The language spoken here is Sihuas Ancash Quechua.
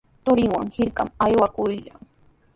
Turinwan hirkaman aywakurqan.